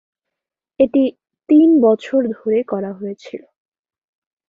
এটি তিন বছর ধরে করা হয়েছিল।